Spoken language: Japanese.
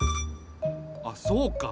あっそうか。